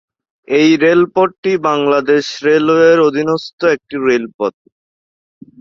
এই রেলপথটি বাংলাদেশ রেলওয়ের অধীনস্থ একটি রেলপথ।